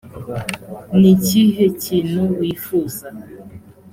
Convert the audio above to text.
ni ikihe kintu wifuza